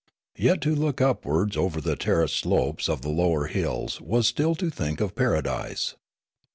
Yet to look upwards over the terraced slopes of the lower hills was still to think of paradise.